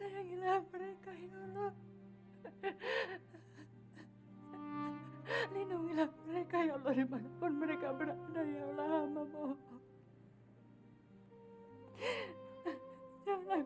ampunilah mereka ya allah